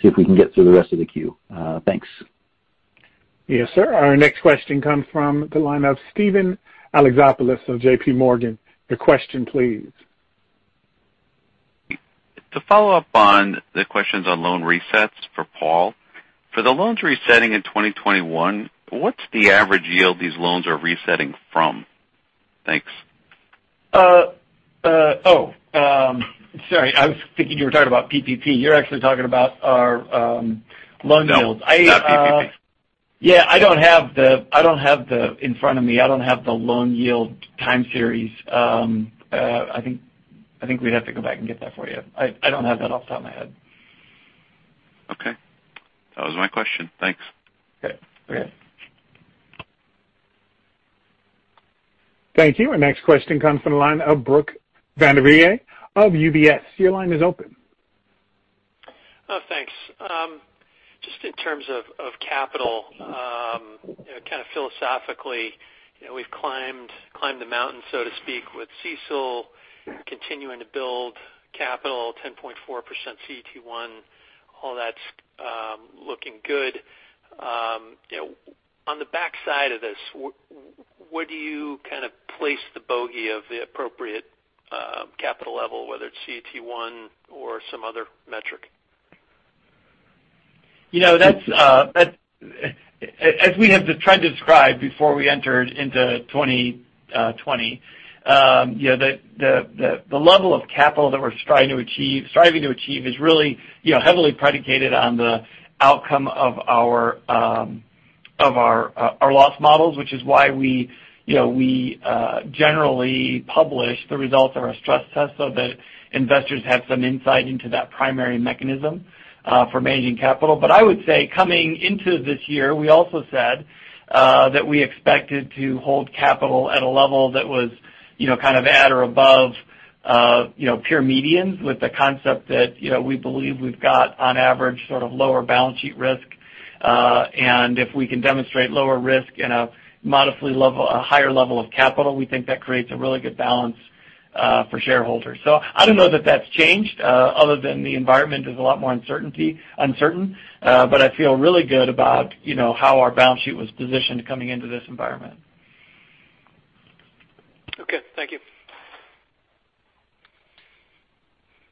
see if we can get through the rest of the queue. Thanks. Yes, sir. Our next question comes from the line of Steven Alexopoulos of JPMorgan. The question, please. To follow up on the questions on loan resets for Paul. For the loans resetting in 2021, what's the average yield these loans are resetting from? Thanks. Oh. Sorry. I was thinking you were talking about PPP. You're actually talking about our loan yields. No, not PPP. I don't have that in front of me. I don't have the loan yield time series. I think we'd have to go back and get that for you. I don't have that off the top of my head. Okay. That was my question. Thanks. Okay. Thank you. Our next question comes from the line of Brock Vandervliet of UBS. Your line is open. Oh, thanks. Just in terms of capital, kind of philosophically, we've climbed the mountain, so to speak, with CECL continuing to build capital, 10.4% CET1. All that's looking good. On the backside of this, where do you kind of place the bogey of the appropriate capital level, whether it's CET1 or some other metric? As we have tried to describe before we entered into 2020, the level of capital that we're striving to achieve is really heavily predicated on the outcome of our loss models, which is why we generally publish the results of our stress test so that investors have some insight into that primary mechanism for managing capital. I would say coming into this year, we also said that we expected to hold capital at a level that was at or above peer medians with the concept that we believe we've got on average sort of lower balance sheet risk. If we can demonstrate lower risk and a higher level of capital, we think that creates a really good balance for shareholders. I don't know that that's changed other than the environment is a lot more uncertain. I feel really good about how our balance sheet was positioned coming into this environment. Okay. Thank you.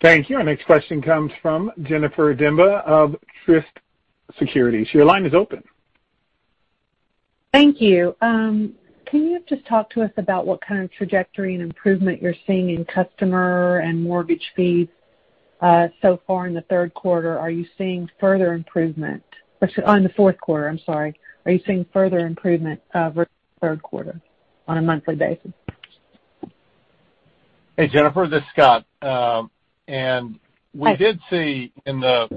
Thank you. Our next question comes from Jennifer Demba of Truist Securities. Your line is open. Thank you. Can you just talk to us about what kind of trajectory and improvement you're seeing in customer and mortgage fees so far in the third quarter? Are you seeing further improvement-- or in the fourth quarter, I'm sorry. Are you seeing further improvement over third quarter on a monthly basis? Hey, Jennifer, this is Scott. Hi. We did see in the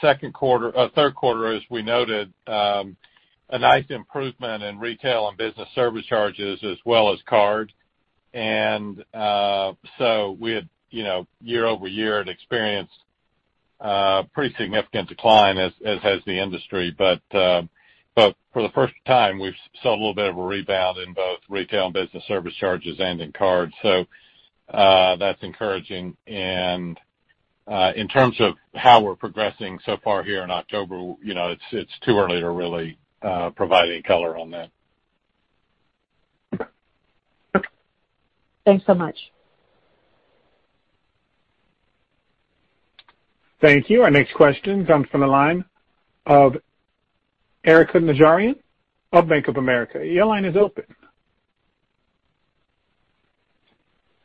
third quarter, as we noted, a nice improvement in retail and business service charges as well as card. We had year-over-year experienced a pretty significant decline as has the industry. For the first time, we've saw a little bit of a rebound in both retail and business service charges and in cards. That's encouraging. In terms of how we're progressing so far here in October, it's too early to really provide any color on that. Thanks so much. Thank you. Our next question comes from the line of Erika Najarian of Bank of America. Your line is open.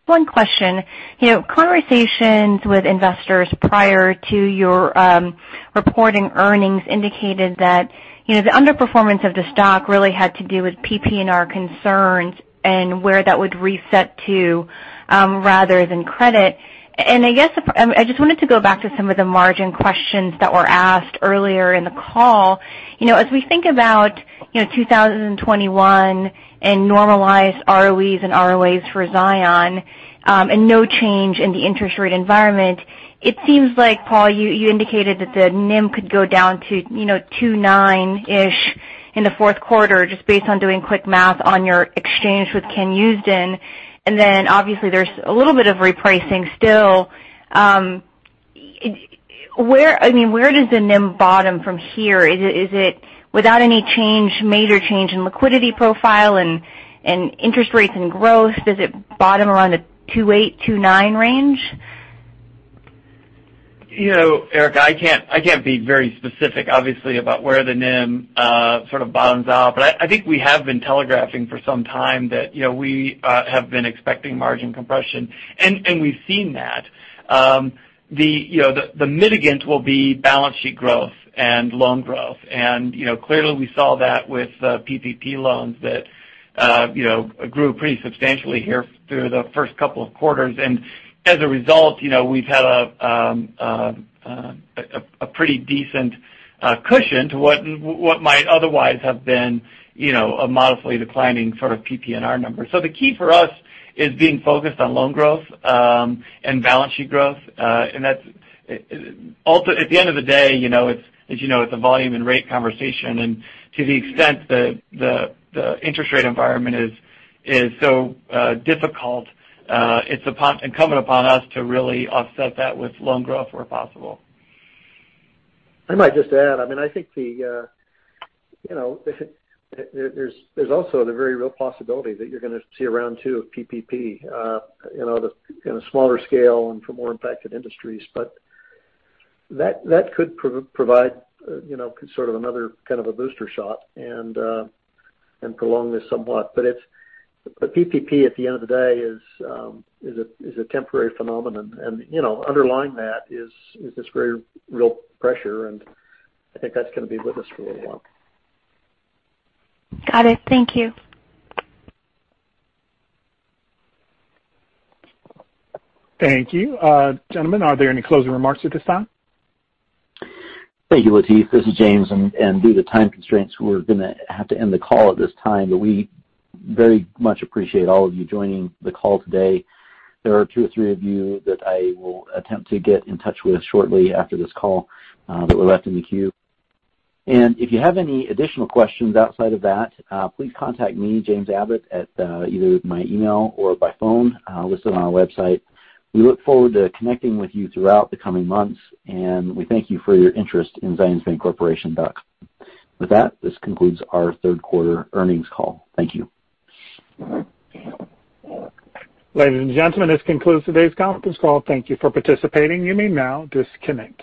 One question. Conversations with investors prior to your reporting earnings indicated that the underperformance of the stock really had to do with PPNR concerns and where that would reset to rather than credit. I guess I just wanted to go back to some of the margin questions that were asked earlier in the call. As we think about 2021 and normalized ROEs and ROAs for Zions and no change in the interest rate environment, it seems like, Paul, you indicated that the NIM could go down to 2.9-ish in the fourth quarter just based on doing quick math on your exchange with Ken Usdin. Then obviously there's a little bit of repricing still. Where does the NIM bottom from here? Is it without any major change in liquidity profile and interest rates and growth? Does it bottom around the 2.8%, 2.9% range? Erika, I can't be very specific, obviously, about where the NIM sort of bottoms out. I think we have been telegraphing for some time that we have been expecting margin compression, and we've seen that. The mitigant will be balance sheet growth and loan growth. Clearly we saw that with PPP loans that grew pretty substantially here through the first couple of quarters. As a result, we've had a pretty decent cushion to what might otherwise have been a modestly declining sort of PPNR number. The key for us is being focused on loan growth and balance sheet growth. At the end of the day, as you know, it's a volume and rate conversation. To the extent the interest rate environment is so difficult, it's incumbent upon us to really offset that with loan growth where possible. I might just add, I think there's also the very real possibility that you're going to see a round two of PPP in a smaller scale and for more impacted industries. That could provide sort of another kind of a booster shot and prolong this somewhat. PPP at the end of the day is a temporary phenomenon. Underlying that is this very real pressure, and I think that's going to be with us for a little while. Got it. Thank you. Thank you. Gentlemen, are there any closing remarks at this time? Thank you, Latif. This is James. Due to time constraints, we're going to have to end the call at this time. We very much appreciate all of you joining the call today. There are two or three of you that I will attempt to get in touch with shortly after this call that were left in the queue. If you have any additional questions outside of that, please contact me, James Abbott, at either my email or by phone listed on our website. We look forward to connecting with you throughout the coming months, and we thank you for your interest in Zions Bancorporation. With that, this concludes our third quarter earnings call. Thank you. Ladies and gentlemen, this concludes today's conference call. Thank you for participating. You may now disconnect.